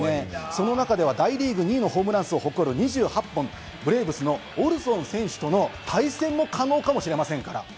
その中では大リーグ２位のホームラン数を誇る２８本、ブレーブスのオルソン選手との対戦の可能かもしれません。